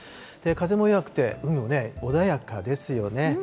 風も弱くて海もね、穏やかですよね。